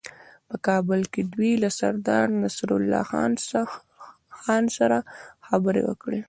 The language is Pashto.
په کابل کې دوی له سردارنصرالله خان سره خبرې وکړې.